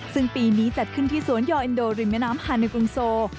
ซึ่งปีนี้จัดขึ้นที่สวนยอเอ็นโดริมแม่น้ำฮาในกรุงโซ